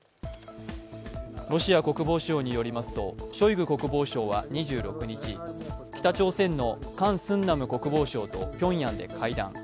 ロシア国防省によりますと、ショイグ国防相は２６日、北朝鮮のカン・スンナム国防相とピョンヤンで会談。